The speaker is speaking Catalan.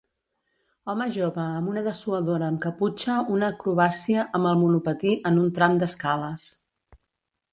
Home jove amb una dessuadora amb caputxa una acrobàcia amb el monopatí en un tram d'escales.